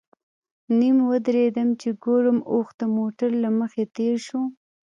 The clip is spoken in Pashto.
نیم ودرېدم چې ګورم اوښ د موټر له مخې تېر شو.